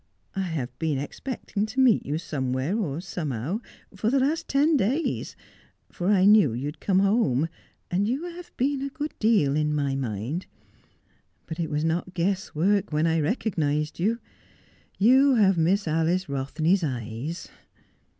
I have been expecting to meet you somewhere or somehow for the last ten days, for I knew you had come home, and you have been a good deal in my mind. But it was not guesswork when I recognised you. You have Miss Alice Rothney's eyes.'